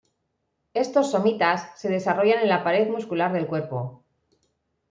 Estos somitas se desarrollan en la pared muscular del cuerpo.